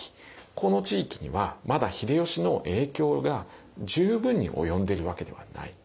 この地域にはまだ秀吉の影響が十分に及んでるわけではない。